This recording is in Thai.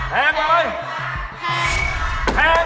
แพงกว่ากะ